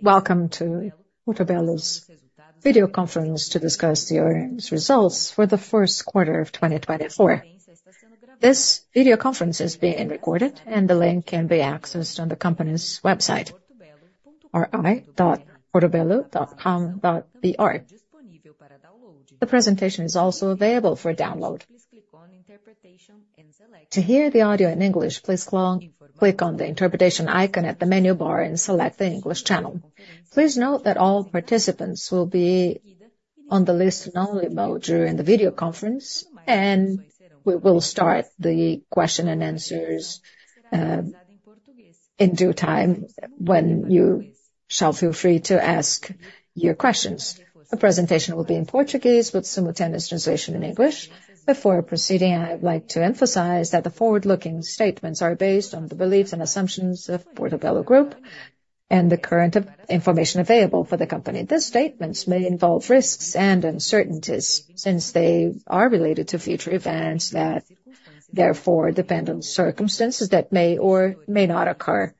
Welcome to Portobello's video conference to discuss the 1Q results for the first quarter of 2024. This video conference is being recorded, and the link can be accessed on the company's website, or ri.portobello.com.br. The presentation is also available for download. To hear the audio in English, please click on the interpretation icon at the menu bar and select the English channel. Please note that all participants will be on the listen-only mode during the video conference, and we will start the Q&A in due time when you shall feel free to ask your questions. The presentation will be in Portuguese with simultaneous translation in English. Before proceeding, I'd like to emphasize that the forward-looking statements are based on the beliefs and assumptions of the Portobello Group and the current information available for the company. These statements may involve risks and uncertainties since they are related to future events that, therefore, depend on circumstances that may or may not occur.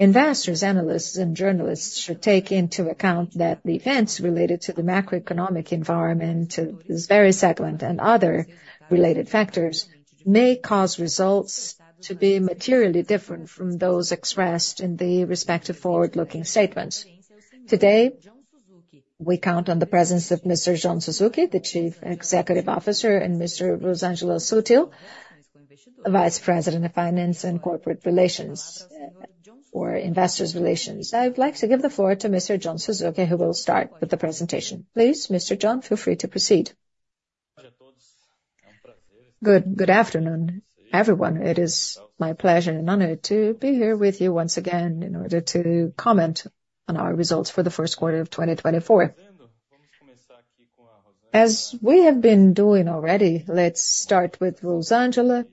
Investors, analysts, and journalists should take into account that the events related to the macroeconomic environment, to this very segment, and other related factors may cause results to be materially different from those expressed in the respective forward-looking statements. Today, we count on the presence of Mr. John Suzuki, the Chief Executive Officer, and Ms. Rosângela Sutil, Vice President of Finance and Investor Relations. I'd like to give the floor to Mr. John Suzuki. Please, Mr. John, feel free to proceed. Good afternoon, everyone. It is my pleasure and honor to be here with you once again in order to comment on our results for the first quarter of 2024. As we have been doing already, let's start with Rosângela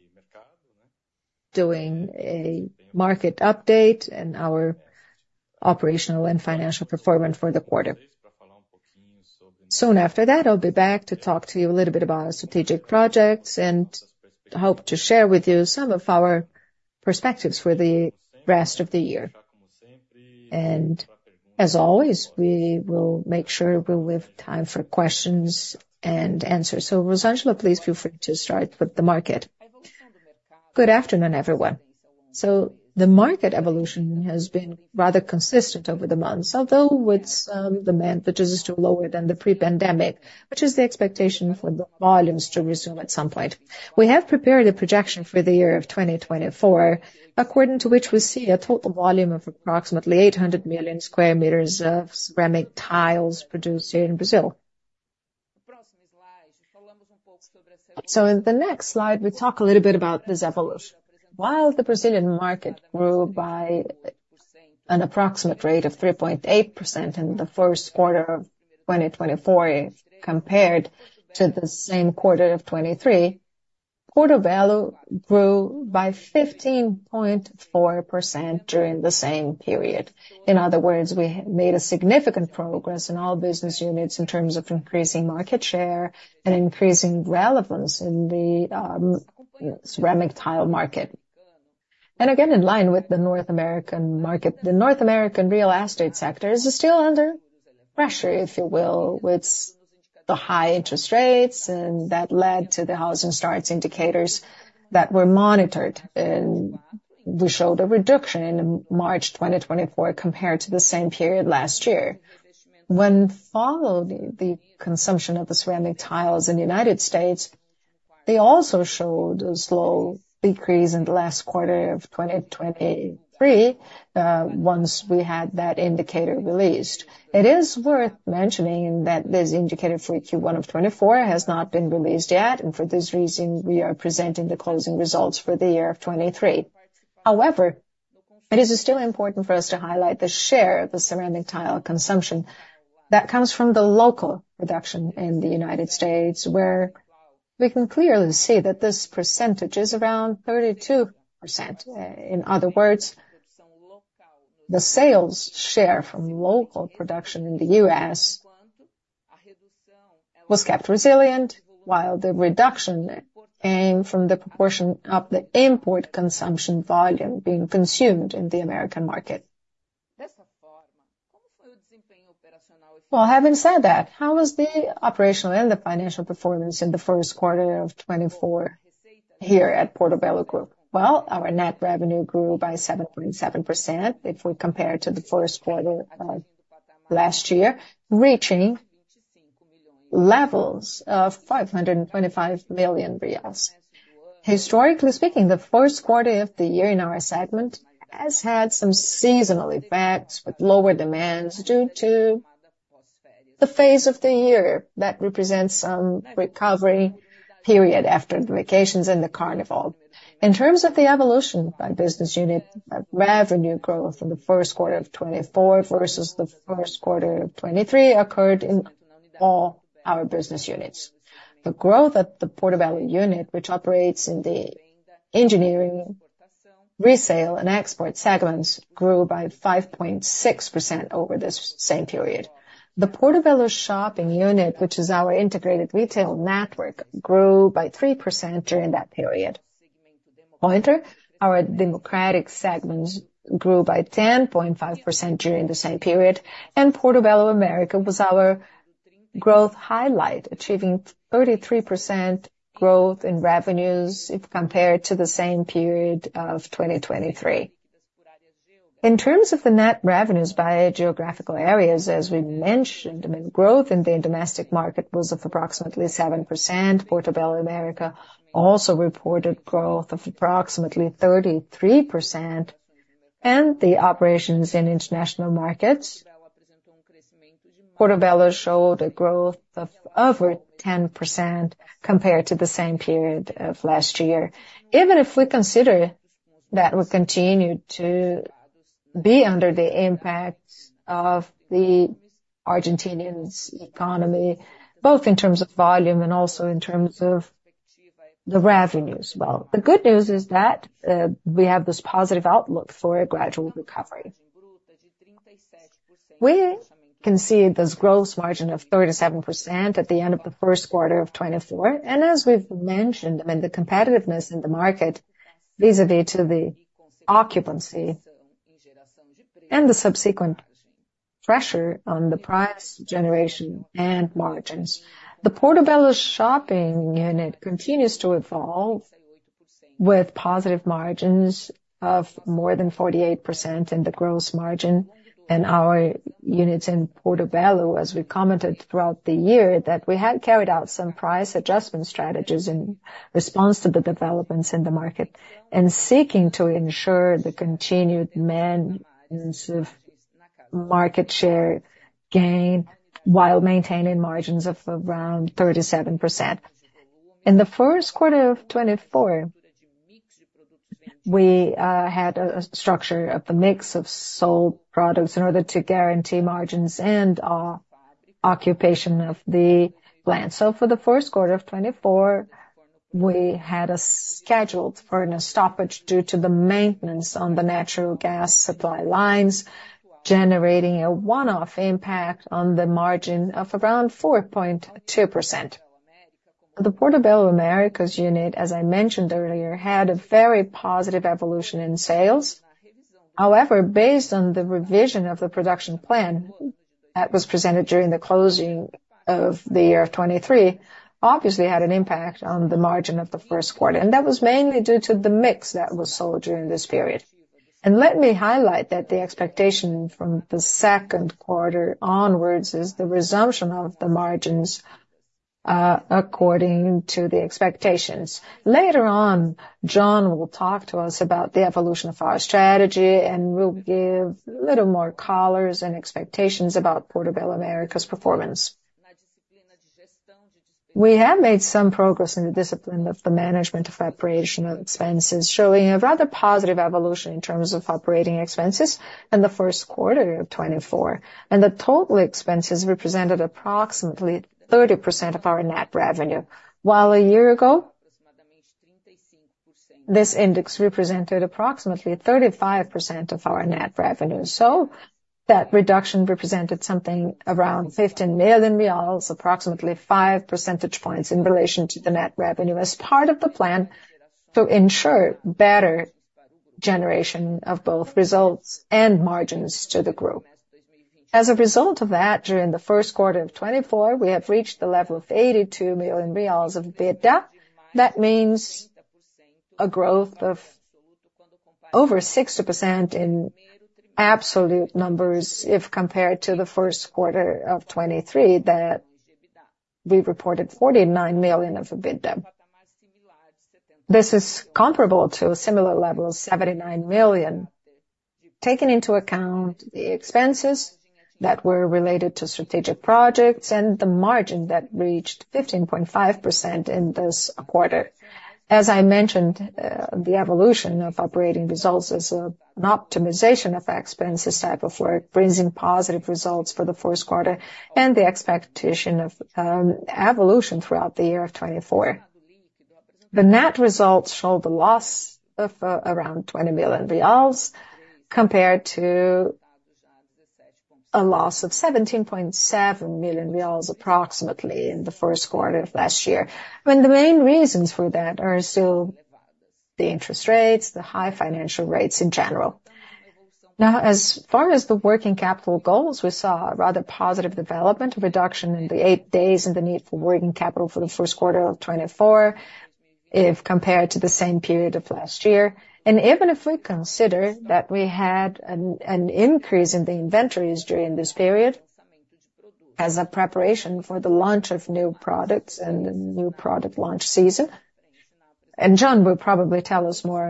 doing a market update and our operational and financial performance for the quarter. Soon after that, I'll be back to talk to you a little bit about our strategic projects and hope to share with you some of our perspectives for the rest of the year. And as always, we will make sure we'll leave time for questions and answers. So, Rosângela, please feel free to start with the market. Good afternoon, everyone. So, the market evolution has been rather consistent over the months, although with some demand which is still lower than the pre-pandemic, which is the expectation for the volumes to resume at some point. We have prepared a projection for the year of 2024, according to which we see a total volume of approximately 800 million square meters of ceramic tiles produced here in Brazil. In the next slide, we talk a little bit about this evolution. While the Brazilian market grew by an approximate rate of 3.8% in the first quarter of 2024 compared to the same quarter of 2023, Portobello grew by 15.4% during the same period. In other words, we made a significant progress in all business units in terms of increasing market share and increasing relevance in the ceramic tile market. Again, in line with the North American market, the North American real estate sector is still under pressure, if you will, with the high interest rates and that led to the housing starts indicators that were monitored, and we showed a reduction in March 2024 compared to the same period last year. When following the consumption of the ceramic tiles in the United States, they also showed a slow decrease in the last quarter of 2023 once we had that indicator released. It is worth mentioning that this indicator for Q1 of 2024 has not been released yet, and for this reason, we are presenting the closing results for the year of 2023. However, it is still important for us to highlight the share of the ceramic tile consumption that comes from the local production in the United States, where we can clearly see that this percentage is around 32%. In other words, the sales share from local production in the US was kept resilient, while the reduction came from the proportion of the import consumption volume being consumed in the American market. Well, having said that, how was the operational and the financial performance in the first quarter of 2024 here at Portobello Group? Well, our net revenue grew by 7.7% if we compare to the first quarter of last year, reaching levels of 525 million reais. Historically speaking, the first quarter of the year in our segment has had some seasonal effects with lower demands due to the phase of the year that represents some recovery period after the vacations and the carnival. In terms of the evolution by business unit, revenue growth in the first quarter of 2024 versus the first quarter of 2023 occurred in all our business units. The growth at the Portobello unit, which operates in the engineering, resale, and export segments, grew by 5.6% over this same period. The Portobello Shop unit, which is our integrated retail network, grew by 3% during that period. Pointer, our democratic segments grew by 10.5% during the same period, and Portobello America was our growth highlight, achieving 33% growth in revenues if compared to the same period of 2023. In terms of the net revenues by geographical areas, as we mentioned, growth in the domestic market was of approximately 7%. Portobello America also reported growth of approximately 33%, and the operations in international markets, Portobello showed a growth of over 10% compared to the same period of last year. Even if we consider that we continue to be under the impact of the Argentine economy, both in terms of volume and also in terms of the revenues, well, the good news is that we have this positive outlook for a gradual recovery. We can see this growth margin of 37% at the end of the first quarter of 2024, and as we've mentioned, I mean, the competitiveness in the market vis-à-vis to the occupancy and the subsequent pressure on the price generation and margins. The Portobello shopping unit continues to evolve with positive margins of more than 48% in the gross margin, and our units in Portobello, as we commented throughout the year, that we had carried out some price adjustment strategies in response to the developments in the market and seeking to ensure the continued maintenance of market share gain while maintaining margins of around 37%. In the first quarter of 2024, we had a structure of the mix of sold products in order to guarantee margins and occupation of the plant. So, for the first quarter of 2024, we had a schedule for a stoppage due to the maintenance on the natural gas supply lines, generating a one-off impact on the margin of around 4.2%. The Portobello America’s unit, as I mentioned earlier, had a very positive evolution in sales. However, based on the revision of the production plan that was presented during the closing of the year of 2023, obviously had an impact on the margin of the first quarter, and that was mainly due to the mix that was sold during this period. And let me highlight that the expectation from the second quarter onwards is the resumption of the margins according to the expectations. Later on, John will talk to us about the evolution of our strategy, and we’ll give a little more color and expectations about Portobello America’s performance. We have made some progress in the discipline of the management of operational expenses, showing a rather positive evolution in terms of operating expenses in the first quarter of 2024, and the total expenses represented approximately 30% of our net revenue, while a year ago, this index represented approximately 35% of our net revenue. So, that reduction represented something around BRL 15 million, approximately 5 percentage points in relation to the net revenue, as part of the plan to ensure better generation of both results and margins to the group. As a result of that, during the first quarter of 2024, we have reached the level of BRL 82 million of EBITDA. That means a growth of over 60% in absolute numbers if compared to the first quarter of 2023 that we reported 49 million of EBITDA. This is comparable to a similar level of 79 million, taking into account the expenses that were related to strategic projects and the margin that reached 15.5% in this quarter. As I mentioned, the evolution of operating results is an optimization of expenses type of work, bringing positive results for the first quarter and the expectation of evolution throughout the year of 2024. The net results show the loss of around BRL 20 million compared to a loss of BRL 17.7 million approximately in the first quarter of last year. I mean, the main reasons for that are still the interest rates, the high financial rates in general. Now, as far as the working capital goals, we saw a rather positive development, a reduction in the eight days in the need for working capital for the first quarter of 2024 if compared to the same period of last year. Even if we consider that we had an increase in the inventories during this period as a preparation for the launch of new products and the new product launch season, and John will probably tell us more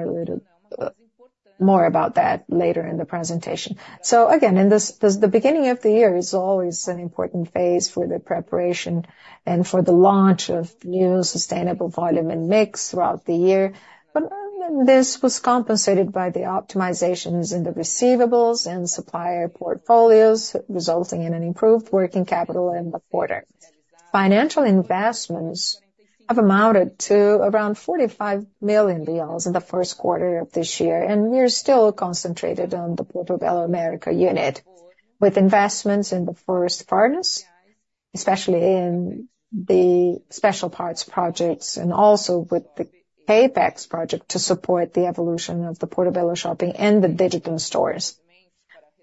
about that later in the presentation. So again, the beginning of the year is always an important phase for the preparation and for the launch of new sustainable volume and mix throughout the year. This was compensated by the optimizations in the receivables and supplier portfolios, resulting in an improved working capital in the quarter. Financial investments have amounted to around 45 million in the first quarter of this year, and we are still concentrated on the Portobello America unit with investments in the first partners, especially in the special parts projects and also with the Capex project to support the evolution of the Portobello shopping and the digital stores.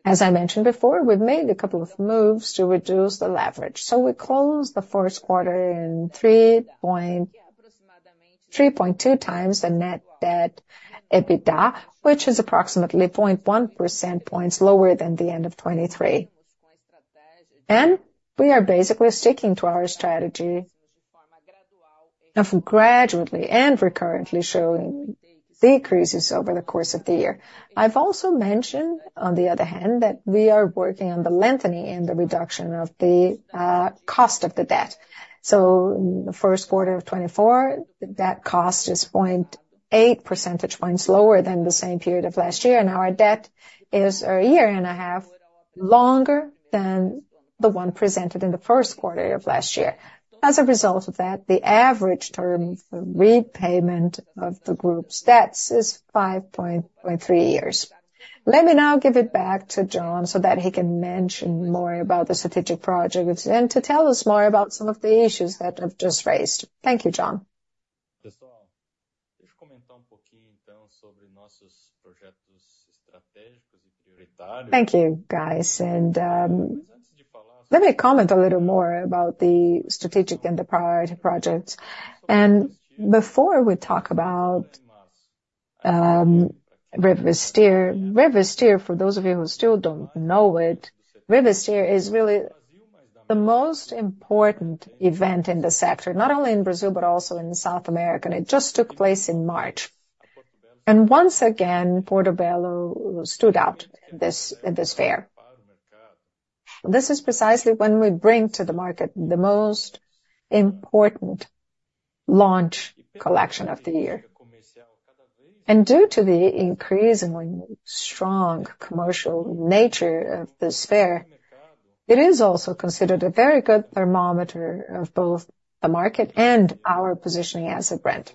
As I mentioned before, we've made a couple of moves to reduce the leverage. So we closed the first quarter in 3.2x the net debt EBITDA, which is approximately 0.1 percentage points lower than the end of 2023. And we are basically sticking to our strategy of gradually and recurrently showing decreases over the course of the year. I've also mentioned, on the other hand, that we are working on the lengthening and the reduction of the cost of the debt. So in the first quarter of 2024, that cost is 0.8 percentage points lower than the same period of last year, and our debt is a year and a half longer than the one presented in the first quarter of last year. As a result of that, the average term repayment of the group's debts is 5.3 years. Let me now give it back to John so that he can mention more about the strategic projects and to tell us more about some of the issues that I've just raised. Thank you, John. Thank you, guys. Let me comment a little more about the strategic and the priority projects. Before we talk about Expo Revestir, for those of you who still don't know it, Expo Revestir is really the most important event in the sector, not only in Brazil but also in South America. It just took place in March. Once again, Portobello stood out in this fair. This is precisely when we bring to the market the most important launch collection of the year. Due to the increasingly strong commercial nature of this fair, it is also considered a very good thermometer of both the market and our positioning as a brand.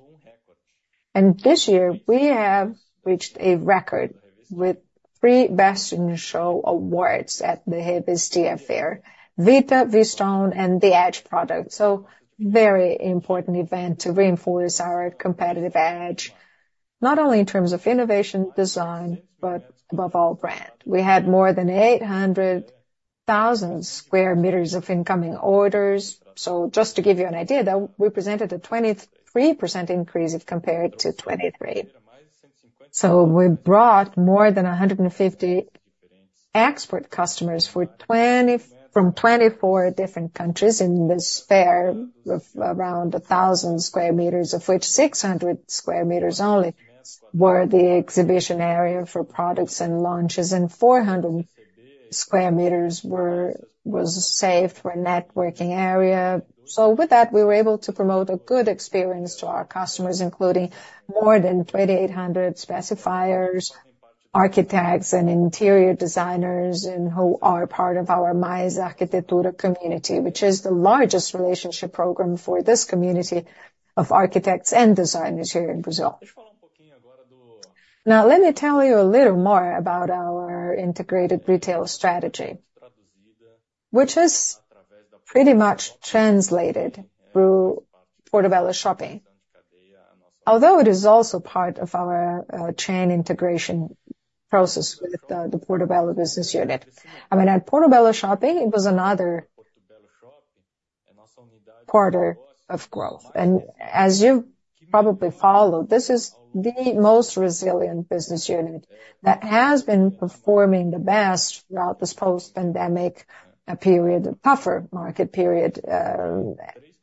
This year, we have reached a record with 3 Best in Show Awards at the Expo Revestir: Fita, V-Stone, and The Edge product. So very important event to reinforce our competitive edge, not only in terms of innovation, design, but above all, brand. We had more than 800,000 square meters of incoming orders. So just to give you an idea, we presented a 23% increase if compared to 2023. So we brought more than 150 expert customers from 24 different countries in this fair of around 1,000 square meters, of which 600 square meters only were the exhibition area for products and launches, and 400 square meters was saved for networking area. So with that, we were able to promote a good experience to our customers, including more than 2,800 specifiers, architects, and interior designers who are part of our Mais Arquitetura community, which is the largest relationship program for this community of architects and designers here in Brazil. Now, let me tell you a little more about our integrated retail strategy, which is pretty much translated through Portobello Shop, although it is also part of our chain integration process with the Portobello business unit. I mean, at Portobello Shop, it was another quarter of growth. And as you've probably followed, this is the most resilient business unit that has been performing the best throughout this post-pandemic period, a tougher market period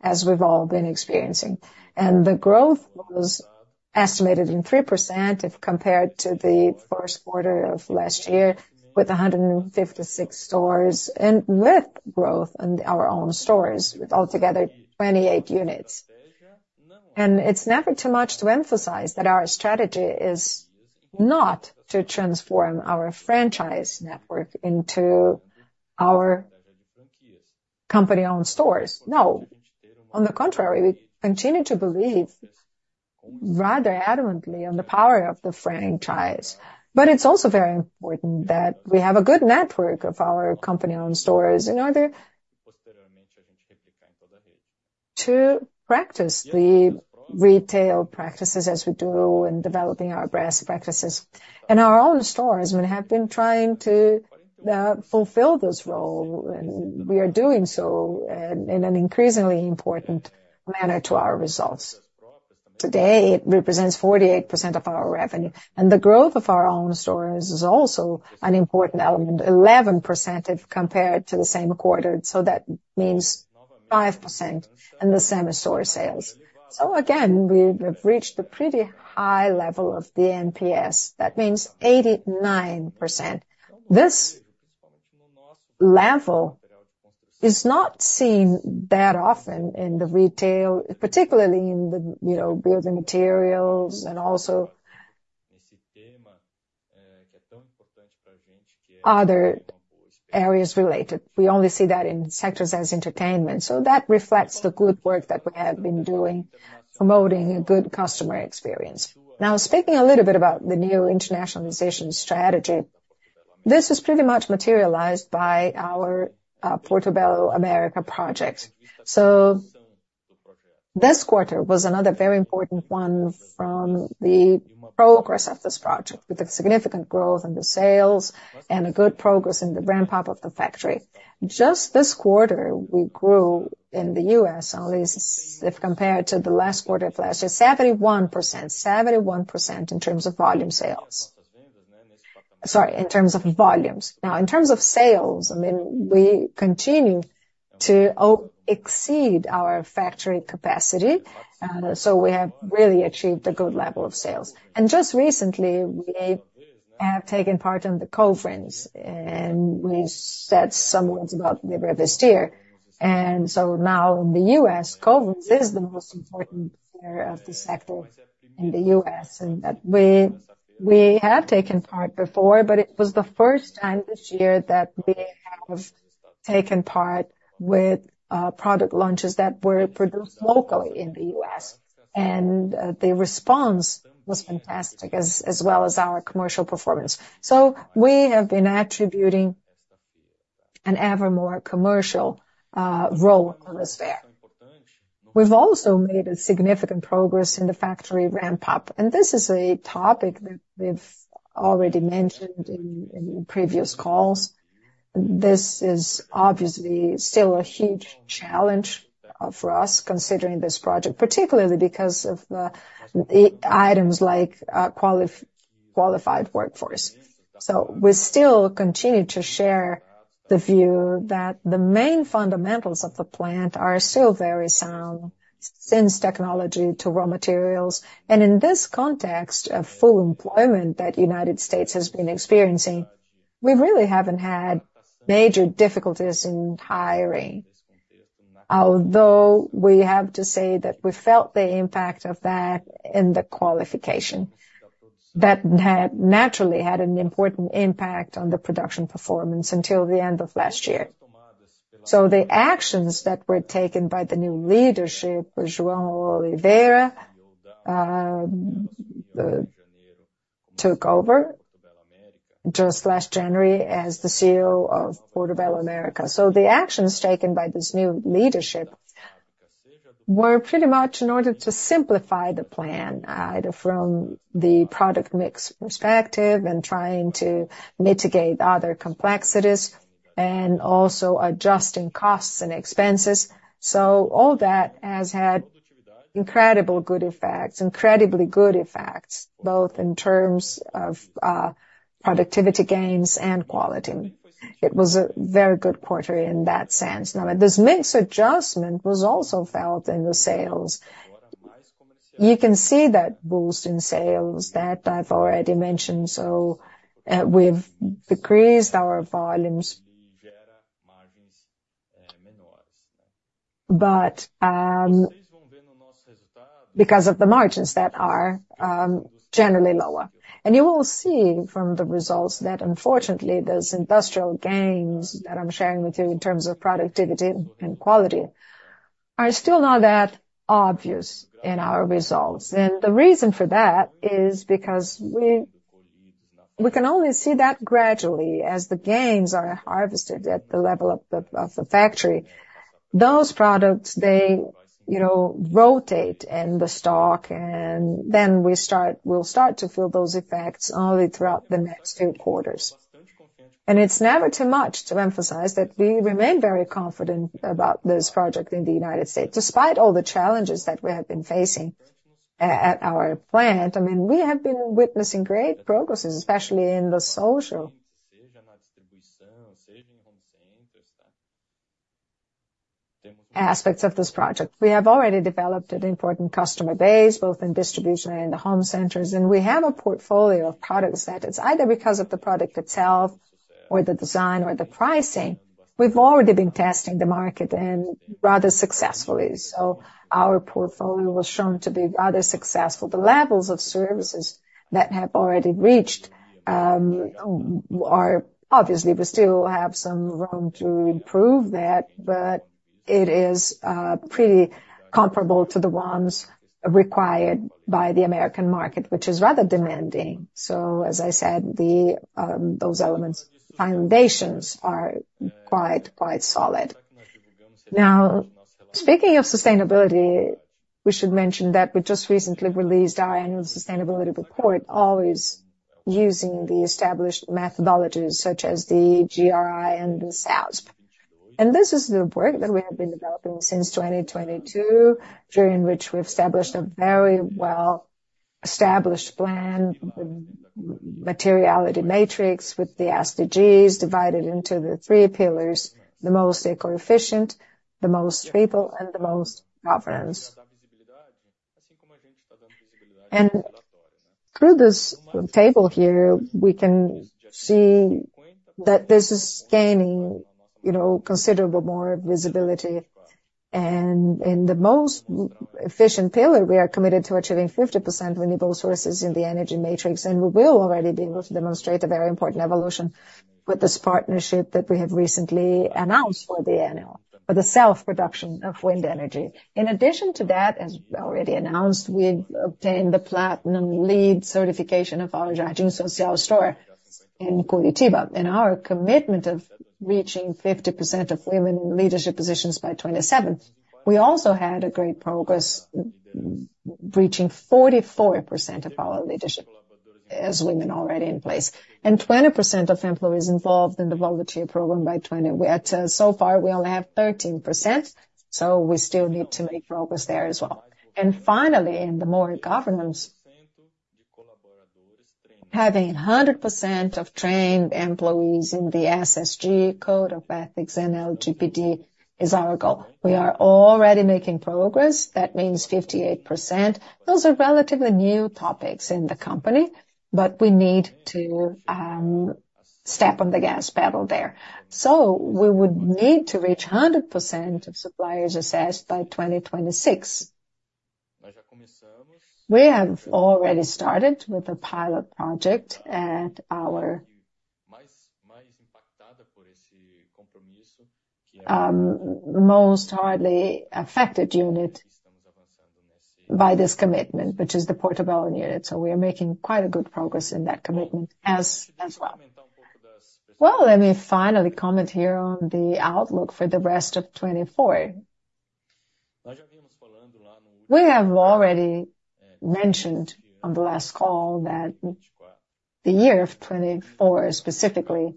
as we've all been experiencing. The growth was estimated in 3% if compared to the first quarter of last year with 156 stores and with growth in our own stores with altogether 28 units. It's never too much to emphasize that our strategy is not to transform our franchise network into our company-owned stores. No. On the contrary, we continue to believe rather adamantly in the power of the franchise. But it's also very important that we have a good network of our company-owned stores to practice the retail practices as we do in developing our best practices. Our own stores, I mean, have been trying to fulfill this role, and we are doing so in an increasingly important manner to our results. Today, it represents 48% of our revenue, and the growth of our own stores is also an important element, 11% if compared to the same quarter. So that means 5% in the same-store sales. So again, we have reached a pretty high level of the NPS. That means 89%. This level is not seen that often in the retail, particularly in the building materials and also other areas related. We only see that in sectors as entertainment. So that reflects the good work that we have been doing, promoting a good customer experience. Now, speaking a little bit about the new internationalization strategy, this was pretty much materialized by our Portobello America project. So this quarter was another very important one from the progress of this project with significant growth in the sales and a good progress in the ramp-up of the factory. Just this quarter, we grew in the U.S., at least if compared to the last quarter of last year, 71% in terms of volume sales. Sorry, in terms of volumes. Now, in terms of sales, I mean, we continue to exceed our factory capacity. We have really achieved a good level of sales. Just recently, we have taken part in the Coverings, and we said some words about the Expo Revestir. So now in the U.S., Coverings is the most important fair of the sector in the U.S. We have taken part before, but it was the first time this year that we have taken part with product launches that were produced locally in the U.S. The response was fantastic as well as our commercial performance. We have been attributing an ever more commercial role to this fair. We've also made significant progress in the factory ramp-up, and this is a topic that we've already mentioned in previous calls. This is obviously still a huge challenge for us considering this project, particularly because of the items like qualified workforce. We still continue to share the view that the main fundamentals of the plant are still very sound, since technology to raw materials. In this context of full employment that the United States has been experiencing, we really haven't had major difficulties in hiring, although we have to say that we felt the impact of that in the qualification. That naturally had an important impact on the production performance until the end of last year. The actions that were taken by the new leadership. João Oliveira took over just last January as the CEO of Portobello America. So the actions taken by this new leadership were pretty much in order to simplify the plan, either from the product mix perspective and trying to mitigate other complexities and also adjusting costs and expenses. So all that has had incredible good effects, incredibly good effects, both in terms of productivity gains and quality. It was a very good quarter in that sense. Now, this mix adjustment was also felt in the sales. You can see that boost in sales that I've already mentioned. So we've decreased our volumes because of the margins that are generally lower. And you will see from the results that, unfortunately, those industrial gains that I'm sharing with you in terms of productivity and quality are still not that obvious in our results. The reason for that is because we can only see that gradually as the gains are harvested at the level of the factory. Those products, they rotate in the stock, and then we'll start to feel those effects only throughout the next few quarters. It's never too much to emphasize that we remain very confident about this project in the United States, despite all the challenges that we have been facing at our plant. I mean, we have been witnessing great progresses, especially in the social aspects of this project. We have already developed an important customer base, both in distribution and in the home centers. We have a portfolio of products that it's either because of the product itself or the design or the pricing. We've already been testing the market and rather successfully. Our portfolio was shown to be rather successful. The levels of services that have already reached are obviously, we still have some room to improve that, but it is pretty comparable to the ones required by the American market, which is rather demanding. So as I said, those elements, foundations, are quite, quite solid. Now, speaking of sustainability, we should mention that we just recently released our annual sustainability report, always using the established methodologies such as the GRI and the SASB. This is the work that we have been developing since 2022, during which we've established a very well-established plan, materiality matrix with the SDGs divided into the three pillars: the most eco-efficient, the most stable, and the most governance. Through this table here, we can see that this is gaining considerably more visibility. And in the most efficient pillar, we are committed to achieving 50% renewable sources in the energy matrix, and we will already be able to demonstrate a very important evolution with this partnership that we have recently announced for the annual self-production of wind energy. In addition to that, as already announced, we've obtained the Platinum LEED certification of our Jardim Social store in Curitiba, and our commitment of reaching 50% of women in leadership positions by 2027. We also had great progress reaching 44% of our leadership as women already in place and 20% of employees involved in the volunteer program by 2020. So far, we only have 13%, so we still need to make progress there as well. And finally, in the more governance, having 100% of trained employees in the ESG code of ethics and LGPD is our goal. We are already making progress. That means 58%. Those are relatively new topics in the company, but we need to step on the gas pedal there. So we would need to reach 100% of suppliers assessed by 2026. We have already started with a pilot project at our most hardly affected unit by this commitment, which is the Portobello unit. So we are making quite a good progress in that commitment as well. Well, let me finally comment here on the outlook for the rest of 2024. We have already mentioned on the last call that the year of 2024 specifically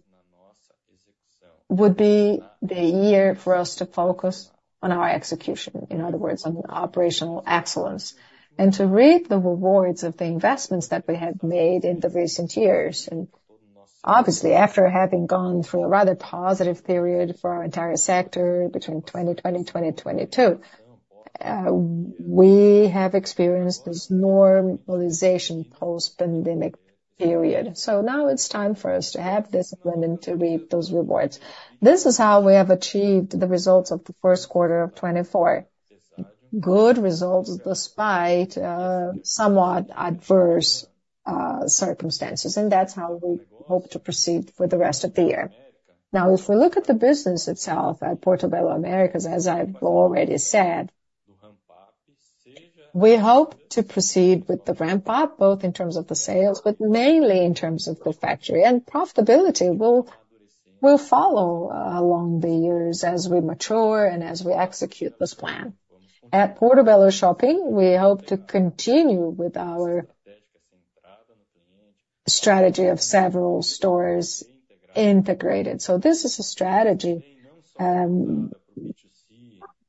would be the year for us to focus on our execution, in other words, on operational excellence, and to reap the rewards of the investments that we have made in the recent years. Obviously, after having gone through a rather positive period for our entire sector between 2020 and 2022, we have experienced this normalization post-pandemic period. Now it's time for us to have this moment to reap those rewards. This is how we have achieved the results of the first quarter of 2024, good results despite somewhat adverse circumstances. That's how we hope to proceed for the rest of the year. Now, if we look at the business itself at Portobello America, as I've already said, we hope to proceed with the ramp-up both in terms of the sales, but mainly in terms of the factory. Profitability will follow along the years as we mature and as we execute this plan. At Portobello Shop, we hope to continue with our strategy of several stores integrated. So this is a strategy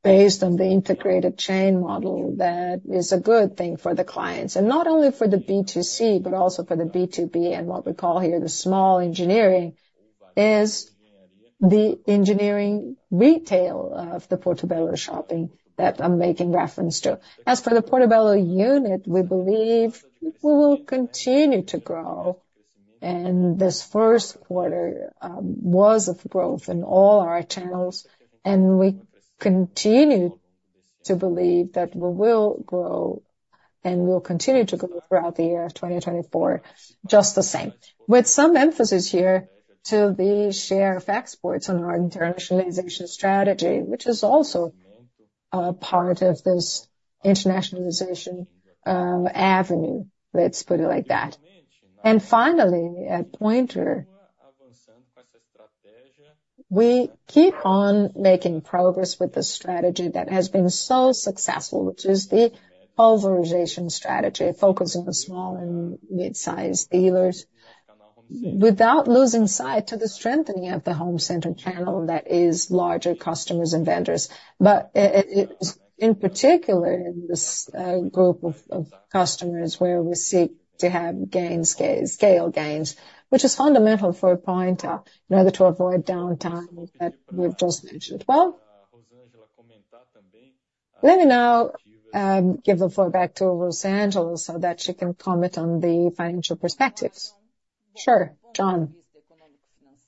based on the integrated chain model that is a good thing for the clients, and not only for the B2C, but also for the B2B and what we call here the small engineering, is the engineering retail of the Portobello shopping that I'm making reference to. As for the Portobello unit, we believe we will continue to grow. This first quarter was of growth in all our channels, and we continue to believe that we will grow and we'll continue to grow throughout the year of 2024 just the same, with some emphasis here to the share of exports on our internationalization strategy, which is also a part of this internationalization avenue, let's put it like that. And finally, at Pointer, we keep on making progress with the strategy that has been so successful, which is the polarization strategy, focusing on small and mid-sized dealers without losing sight of the strengthening of the home center channel that is larger customers and vendors. But in particular, in this group of customers where we seek to have scale gains, which is fundamental for Pointer in order to avoid downtime that we've just mentioned. Well, let me now give the floor back to Rosângela so that she can comment on the financial perspectives. Sure. John.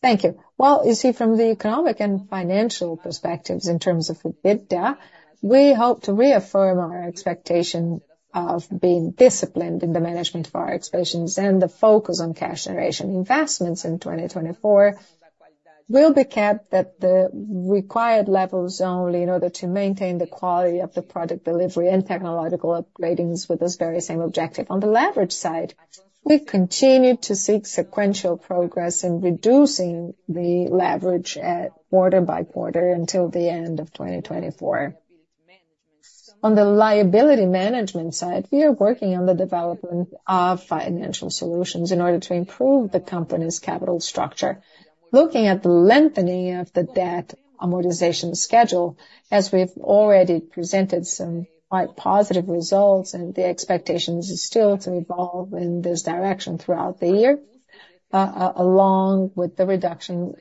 Thank you. Well, you see, from the economic and financial perspectives in terms of EBITDA, we hope to reaffirm our expectation of being disciplined in the management of our expansions and the focus on cash generation. Investments in 2024 will be kept at the required levels only in order to maintain the quality of the product delivery and technological upgradings with this very same objective. On the leverage side, we continue to seek sequential progress in reducing the leverage quarter by quarter until the end of 2024. On the liability management side, we are working on the development of financial solutions in order to improve the company's capital structure, looking at the lengthening of the debt amortization schedule. As we've already presented some quite positive results, the expectation is still to evolve in this direction throughout the year, along with the reduction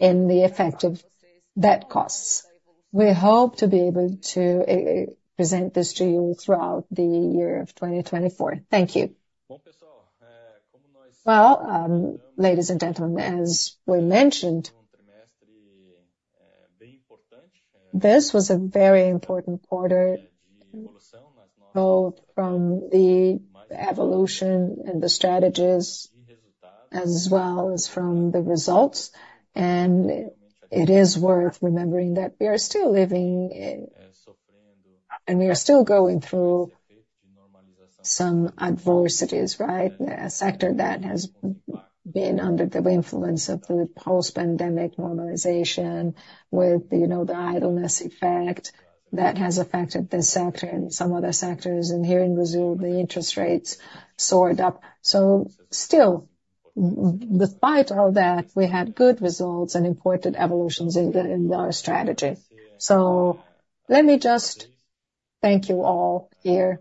in the effective debt costs. We hope to be able to present this to you throughout the year of 2024. Thank you. Well, ladies and gentlemen, as we mentioned, this was a very important quarter both from the evolution and the strategies as well as from the results. It is worth remembering that we are still living and we are still going through some adversities, right? A sector that has been under the influence of the post-pandemic normalization with the idleness effect that has affected this sector and some other sectors. Here in Brazil, the interest rates soared up. Still, despite all that, we had good results and important evolutions in our strategy. Let me just thank you all here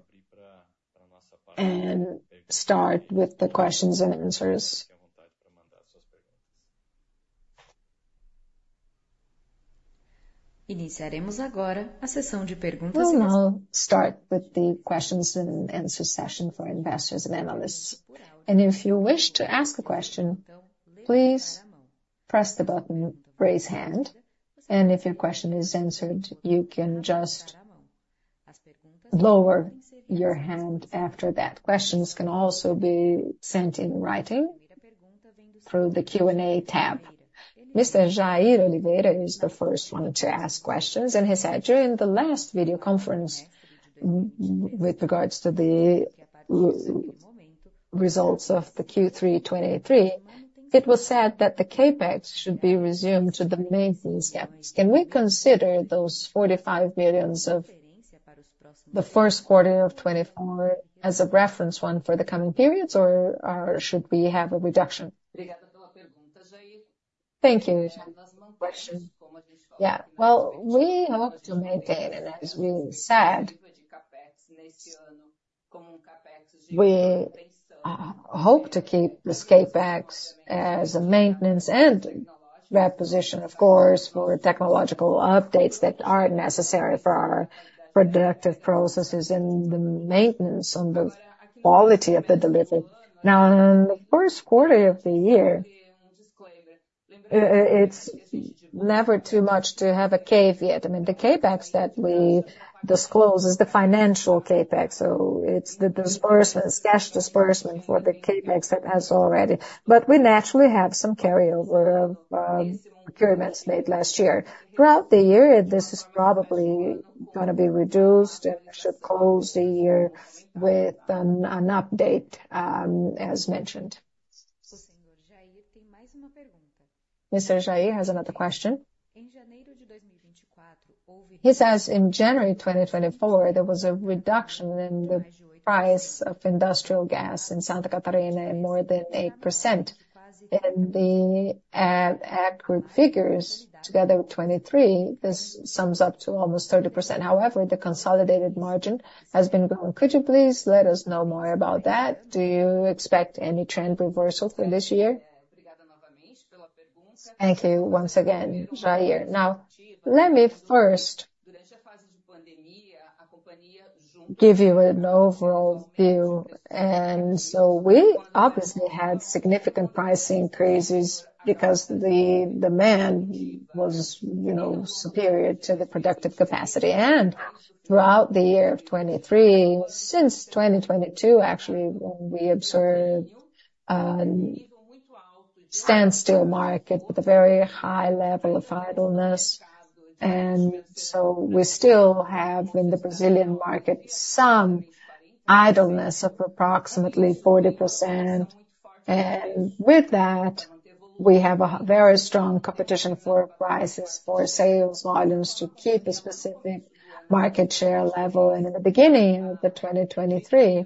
and start with the questions and answers. We will now start with the questions and answer session for investors and analysts. If you wish to ask a question, please press the button raise hand. If your question is answered, you can just lower your hand after that. Questions can also be sent in writing through the Q&A tab. Mr. Jair Oliveira is the first one to ask questions. And he said, "During the last video conference with regards to the results of the Q3 2023, it was said that the CapEx should be resumed to the maintenance CapEx. Can we consider those 45 million of the first quarter of 2024 as a reference one for the coming periods, or should we have a reduction?" Thank you. Well, we hope to maintain, and as we said, we hope to keep this CapEx as a maintenance and reposition, of course, for technological updates that are necessary for our productive processes in the maintenance on the quality of the delivery. Now, in the first quarter of the year, it's never too much to have a caveat. I mean, the CapEx that we disclose is the financial CapEx. So it's the disbursements, cash disbursement for the CapEx that has already. But we naturally have some carryover of procurements made last year. Throughout the year, this is probably going to be reduced, and we should close the year with an update, as mentioned. Mr. Jair has another question. He says, "In January 2024, there was a reduction in the price of industrial gas in Santa Catarina and more than 8%. In the aggregate figures, together with 2023, this sums up to almost 30%. However, the consolidated margin has been growing. Could you please let us know more about that? Do you expect any trend reversal for this year?" Thank you once again, Jair. Now, let me first give you an overall view. So we obviously had significant pricing increases because the demand was superior to the productive capacity. Throughout the year of 2023, since 2022, actually, when we observed a standstill market with a very high level of idleness, we still have in the Brazilian market some idleness of approximately 40%. With that, we have a very strong competition for prices, for sales volumes to keep a specific market share level. In the beginning of 2023,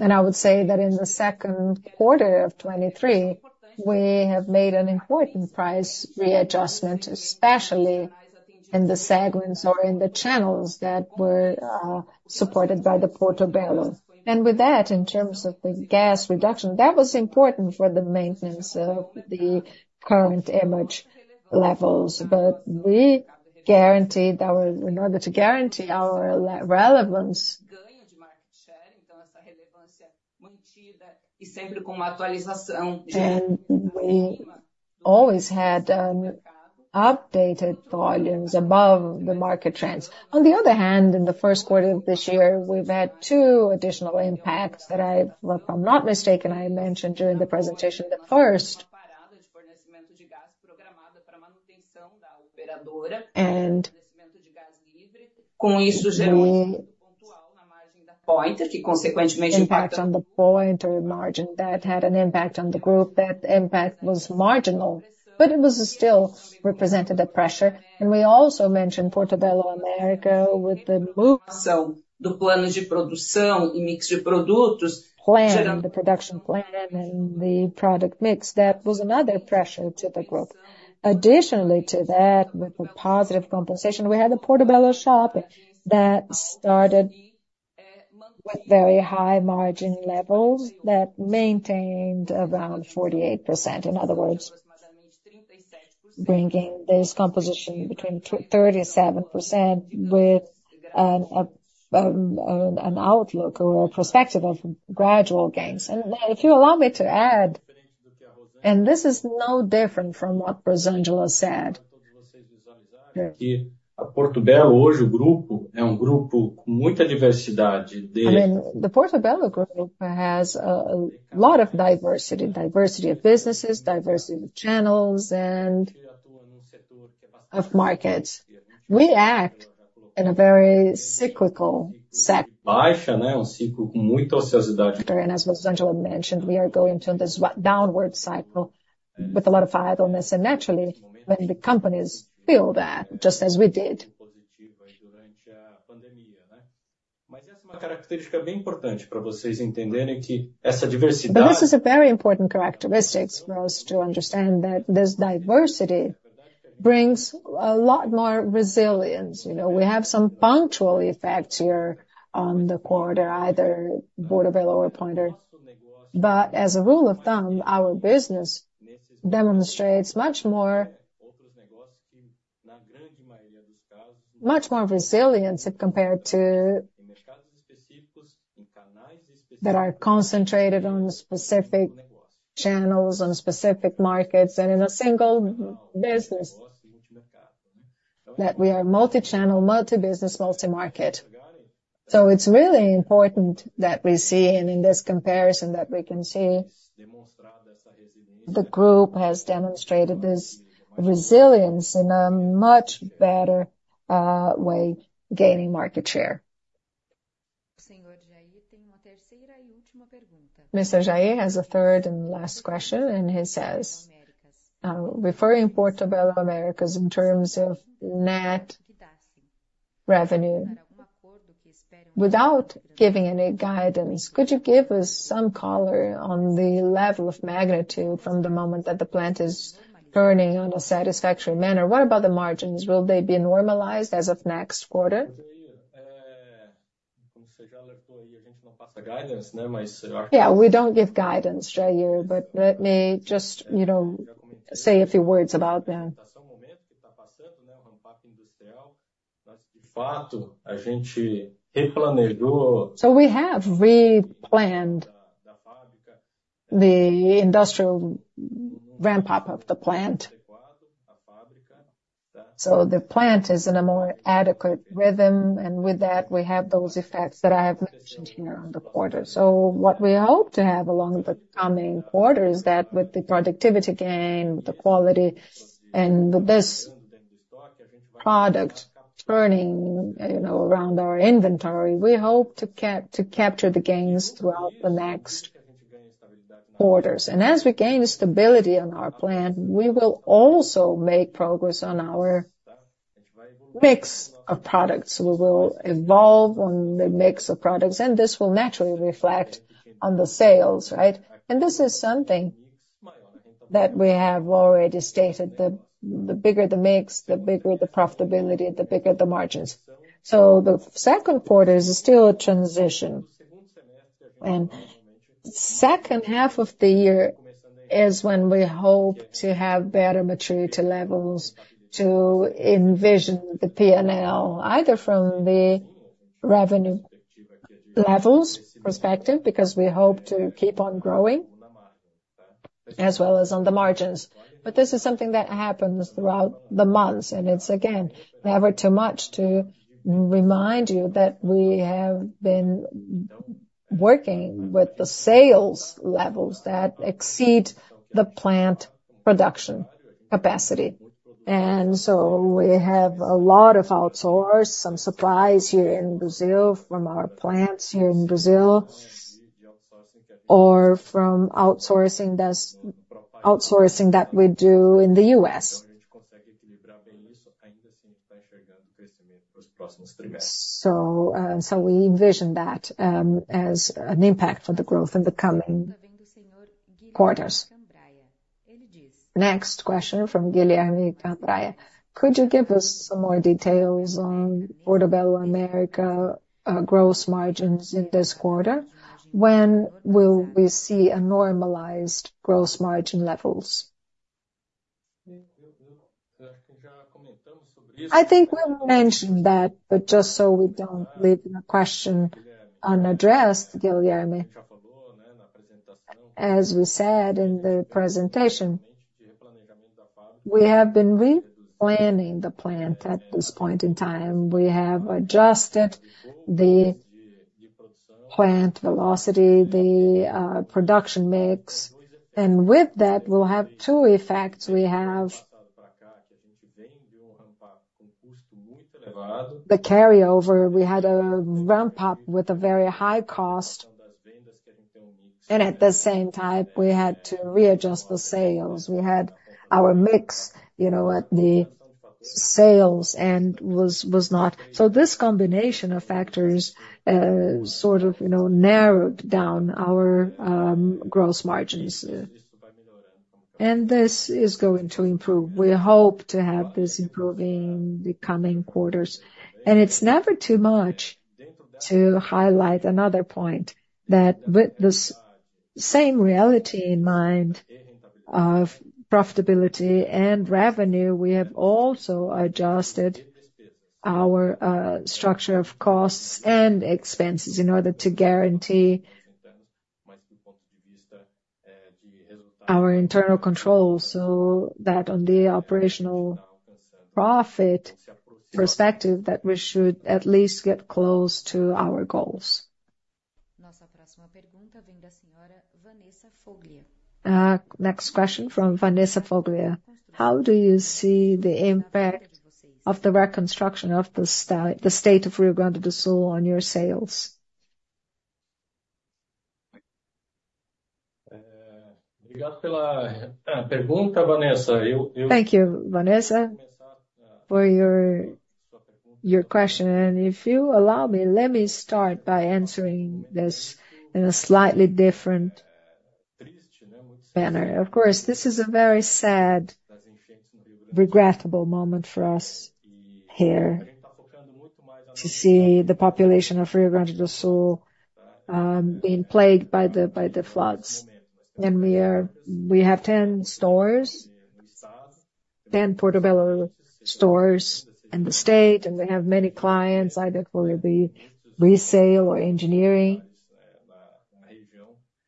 and I would say that in the second quarter of 2023, we have made an important price readjustment, especially in the segments or in the channels that were supported by the Portobello. With that, in terms of the gas reduction, that was important for the maintenance of the current image levels. But we guaranteed ours in order to guarantee our relevance, we always had updated volumes above the market trends. On the other hand, in the first quarter of this year, we've had two additional impacts that I've, if I'm not mistaken, mentioned during the presentation. The first, with this reduction of the margin that had an impact on the Pointer margin, that had an impact on the group. That impact was marginal, but it still represented a pressure. We also mentioned Portobello America with the planning of the production and mix of products, generating the production plan and the product mix. That was another pressure to the group. Additionally to that, with a positive compensation, we had the Portobello shopping that started with very high margin levels that maintained around 48%. In other words, bringing this composition between 37% with an outlook or a perspective of gradual gains. And if you allow me to add, and this is no different from what Rosângela said, I mean, the Portobello Group has a lot of diversity, diversity of businesses, diversity of channels, and of markets. We act in a very cyclical sector, and as Rosângela mentioned, we are going through this downward cycle with a lot of idleness. And naturally, when the companies feel that, just as we did. Mas essa é uma característica bem importante para vocês entenderem que essa diversidade is a very important characteristic for us to understand that this diversity brings a lot more resilience. We have some punctual effects here on the quarter, either Portobello or Pointer. But as a rule of thumb, our business demonstrates much more resilience that are concentrated on specific channels, on specific markets, and in a single business, that we are multi-channel, multi-business, multi-market. So it's really important that we see, and in this comparison, that we can see the group has demonstrated this resilience in a much better way, gaining market share. Mr. Jair has a third and last question, and he says, "Regarding Portobello America in terms of net revenue, without giving any guidance, could you give us some color on the level of magnitude from the moment that the plant is turning on in a satisfactory manner? What about the margins? Will they be normalized as of next quarter?" Yeah, we don't give guidance, Jair, but let me just say a few words about that. So we have replanned the industrial ramp-up of the plant. So the plant is in a more adequate rhythm, and with that, we have those effects that I have mentioned here on the quarter. So what we hope to have along the coming quarter is that with the productivity gain, the quality, and with this product turning around our inventory, we hope to capture the gains throughout the next quarters. As we gain stability on our plant, we will also make progress on our mix of products. We will evolve on the mix of products, and this will naturally reflect on the sales, right? This is something that we have already stated: the bigger the mix, the bigger the profitability, the bigger the margins. The second quarter is still a transition. The second half of the year is when we hope to have better maturity levels to envision the P&L, either from the revenue levels perspective because we hope to keep on growing, as well as on the margins. But this is something that happens throughout the months, and it's, again, never too much to remind you that we have been working with the sales levels that exceed the plant production capacity. So we have a lot of outsourcing, some supplies here in Brazil from our plants here in Brazil or from outsourcing that we do in the US. So we envision that as an impact for the growth in the coming quarters. Next question from Guilherme Cambraia. "Could you give us some more details on Portobello America gross margins in this quarter? When will we see a normalized gross margin levels?" I think we will mention that, but just so we don't leave a question unaddressed, Guilherme, as we said in the presentation, we have been replanning the plant at this point in time. We have adjusted the plant velocity, the production mix. With that, we'll have two effects. We have the carryover. We had a ramp-up with a very high cost, and at the same time, we had to readjust the sales. We had our mix at the sales and was not so. This combination of factors sort of narrowed down our gross margins. And this is going to improve. We hope to have this improving the coming quarters. And it's never too much to highlight another point that with the same reality in mind of profitability and revenue, we have also adjusted our structure of costs and expenses in order to guarantee our internal control so that on the operational profit perspective, that we should at least get close to our goals. Next question from Vanessa Foglia. How do you see the impact of the reconstruction of the state of Rio Grande do Sul on your sales?" Thank you, Vanessa, for your question. If you allow me, let me start by answering this in a slightly different manner. Of course, this is a very sad, regrettable moment for us here to see the population of Rio Grande do Sul being plagued by the floods. We have 10 Portobello stores in the state, and we have many clients, either for the resale or engineering.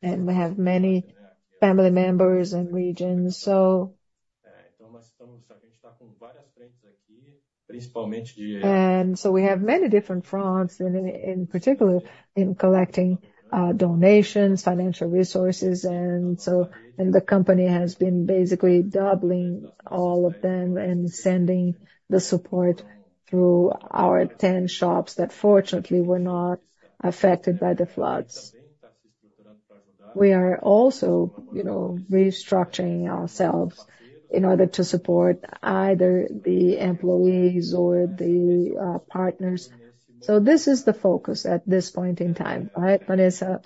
We have many family members in regions. So we have many different fronts, in particular in collecting donations, financial resources. The company has been basically doubling all of them and sending the support through our 10 shops that, fortunately, were not affected by the floods. We are also restructuring ourselves in order to support either the employees or the partners. So this is the focus at this point in time, right, Vanessa?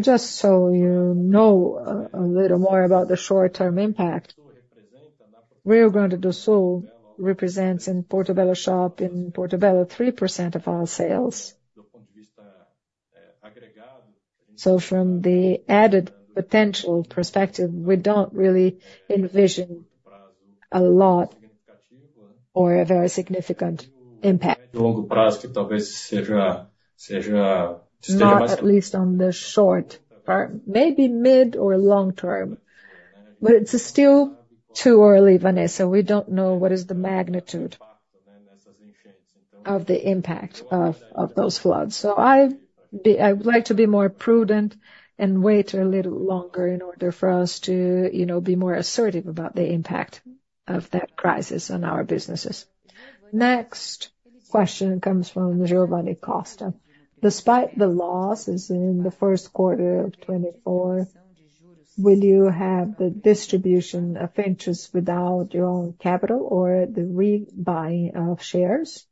Just so you know a little more about the short-term impact, Rio Grande do Sul represents in Portobello Shop in Portobello 3% of our sales. So from the added potential perspective, we don't really envision a lot or a very significant impact. Not at least on the short term, maybe mid or long term. But it's still too early, Vanessa. We don't know what is the magnitude of the impact of those floods. So I would like to be more prudent and wait a little longer in order for us to be more assertive about the impact of that crisis on our businesses. Next question comes from Giovanni Costa. Despite the losses in the first quarter of 2024, will you have the distribution of interest without your own capital or the rebuying of shares?"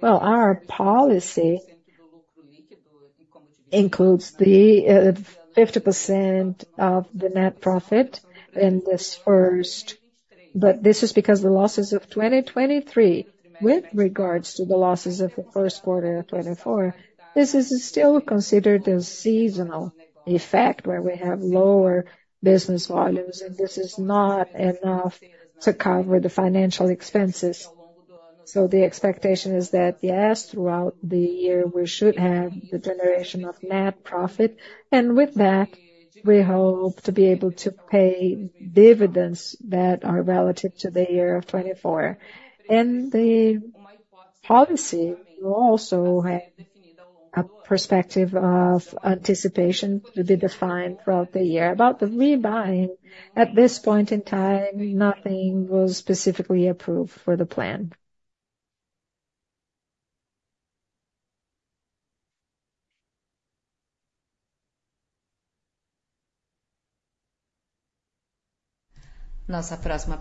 Well, our policy includes 50% of the net profit in this first but this is because the losses of 2023, with regards to the losses of the first quarter of 2024, this is still considered a seasonal effect where we have lower business volumes, and this is not enough to cover the financial expenses. So the expectation is that, yes, throughout the year, we should have the generation of net profit. And with that, we hope to be able to pay dividends that are relative to the year of 2024. And the policy will also have a perspective of anticipation to be defined throughout the year. About the rebuying, at this point in time, nothing was specifically approved for the plan. So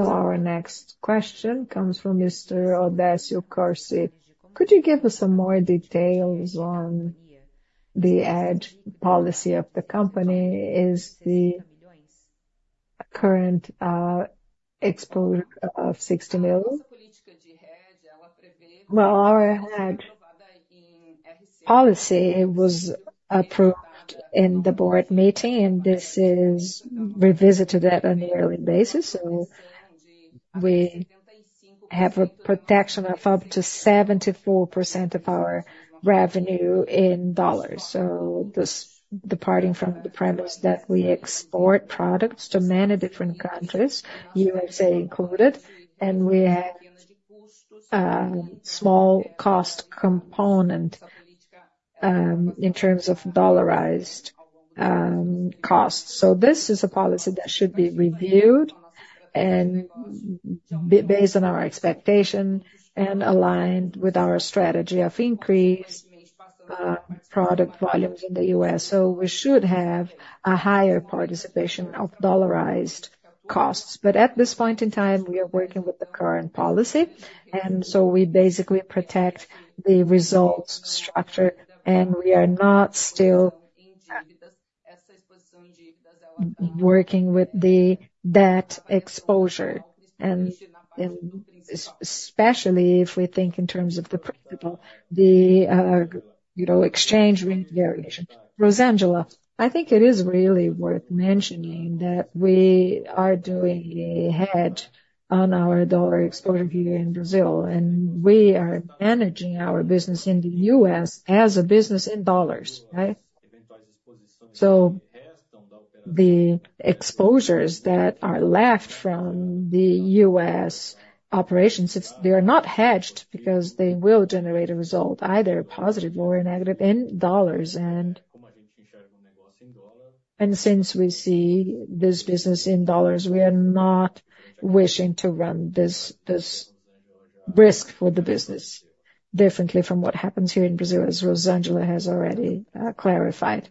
our next question comes from Mr. Odécio Corsi. "Could you give us some more details on the hedge policy of the company? Is the current exposure of $60 million?" Well, our hedge policy was approved in the board meeting, and this is revisited on a yearly basis. So we have a protection of up to 74% of our revenue in dollars. So departing from the premise that we export products to many different countries, USA included, and we have a small cost component in terms of dollarized costs. So this is a policy that should be reviewed based on our expectation and aligned with our strategy of increased product volumes in the US. So we should have a higher participation of dollarized costs. But at this point in time, we are working with the current policy. So we basically protect the results structure, and we are not still working with the debt exposure, especially if we think in terms of the principal, the exchange rate variation. Rosângela, I think it is really worth mentioning that we are doing a hedge on our dollar exposure here in Brazil, and we are managing our business in the U.S. as a business in dollars, right? So the exposures that are left from the U.S. operations, they are not hedged because they will generate a result, either positive or negative, in dollars. And since we see this business in dollars, we are not wishing to run this risk for the business, differently from what happens here in Brazil, as Rosângela has already clarified.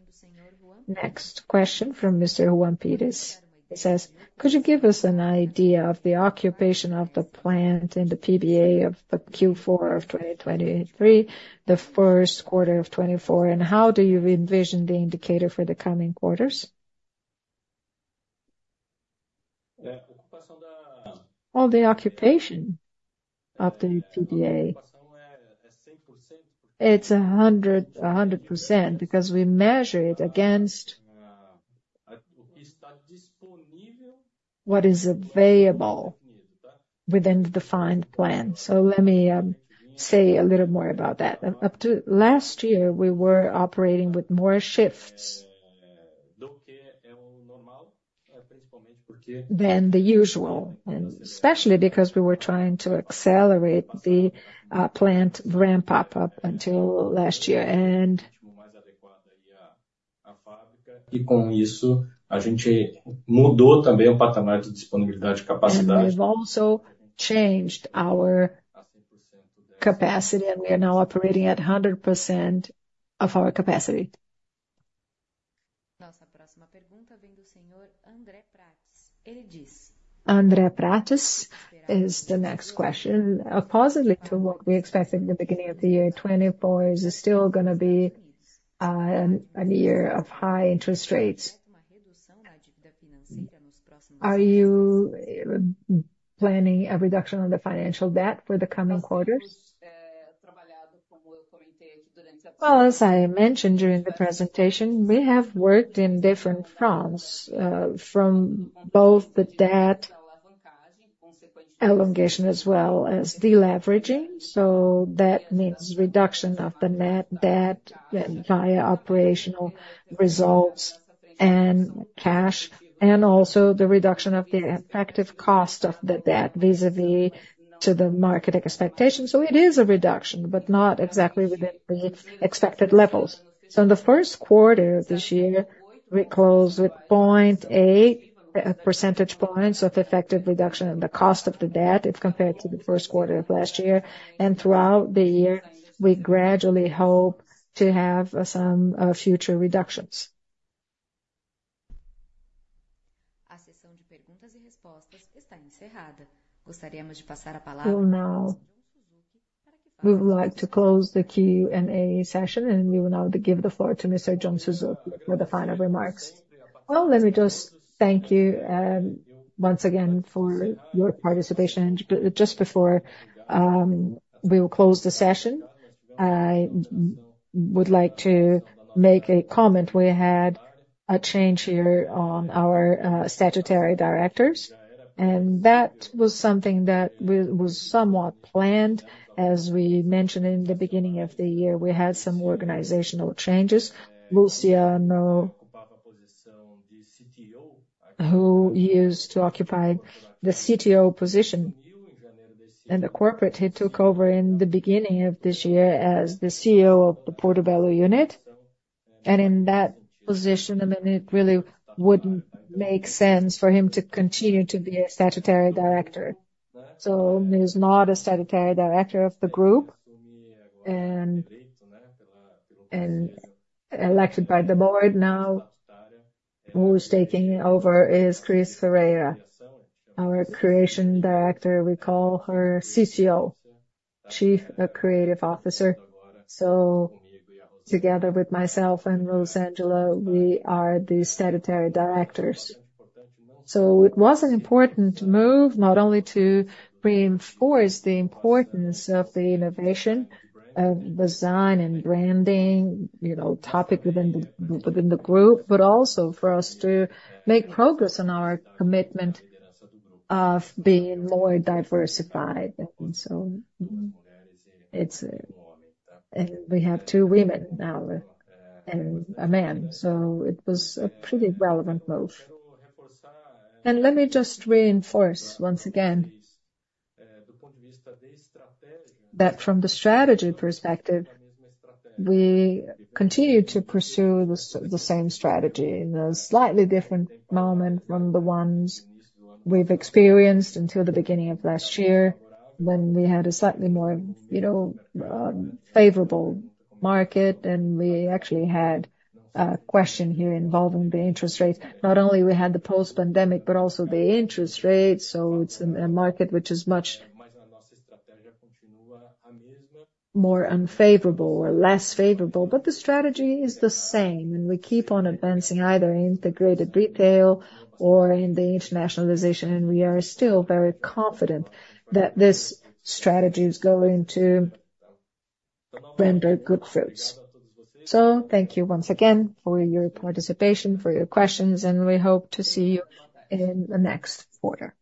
Next question from Mr. Juan Pires. He says, "Could you give us an idea of the occupation of the plant in the PBA of Q4 of 2023, the first quarter of 2024, and how do you envision the indicator for the coming quarters?" Oh, the occupation of the PBA? It's 100% because we measure it against what is available within the defined plan. So let me say a little more about that. Last year, we were operating with more shifts than the usual, especially because we were trying to accelerate the plant ramp-up up until last year. And we've also changed our capacity, and we are now operating at 100% of our capacity. Nossa próxima pergunta vem do senhor André Prates. Ele diz. André Prates is the next question. Appositely to what we expected in the beginning of the year, 2024 is still going to be a year of high interest rates. Are you planning a reduction of the financial debt for the coming quarters? Well, as I mentioned during the presentation, we have worked in different fronts, from both the debt elongation as well as deleveraging. So that means reduction of the net debt via operational results and cash, and also the reduction of the effective cost of the debt vis-à-vis the market expectations. So it is a reduction, but not exactly within the expected levels. So in the first quarter of this year, we closed with 0.8 percentage points of effective reduction in the cost of the debt if compared to the first quarter of last year. And throughout the year, we gradually hope to have some future reductions. We would like to close the Q&A session, and we will now give the floor to Mr. John Suzuki for the final remarks. Well, let me just thank you once again for your participation. Just before we will close the session, I would like to make a comment. We had a change here on our statutory directors, and that was something that was somewhat planned. As we mentioned in the beginning of the year, we had some organizational changes. Luciano, who used to occupy the CTO position in the corporate, he took over in the beginning of this year as the CEO of the Portobello unit. And in that position, I mean, it really wouldn't make sense for him to continue to be a statutory director. So he's not a statutory director of the group. And elected by the board now, who's taking over is Christiane Ferreira, our creative director. We call her CCO, Chief Creative Officer. So together with myself and Rosângela, we are the statutory directors. So it was an important move, not only to reinforce the importance of the innovation of design and branding topic within the group, but also for us to make progress on our commitment of being more diversified. And we have two women now and a man. So it was a pretty relevant move. And let me just reinforce once again that from the strategy perspective, we continue to pursue the same strategy in a slightly different moment from the ones we've experienced until the beginning of last year, when we had a slightly more favorable market, and we actually had a question here involving the interest rates. Not only we had the post-pandemic, but also the interest rates. So it's a market which is much more unfavorable or less favorable. But the strategy is the same, and we keep on advancing either in integrated retail or in the internationalization. We are still very confident that this strategy is going to bring good fruits. So thank you once again for your participation, for your questions, and we hope to see you in the next quarter.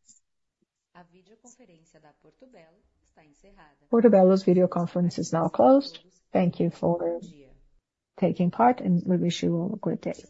Portobello's video conference is now closed. Thank you for taking part, and we wish you all a great day.